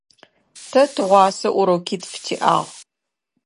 Тэ тыгъуасэ урокитф тиӏагъ.